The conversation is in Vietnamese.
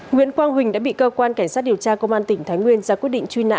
nguyễn quang huỳnh đã bị cơ quan cảnh sát điều tra công an tỉnh thái nguyên ra quyết định truy nã